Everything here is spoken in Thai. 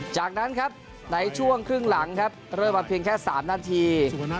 จากนั้นครับในช่วงครึ่งหลังครับเริ่มมาเพียงแค่๓นาที